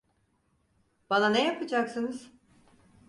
Bana ne yapacaksınız?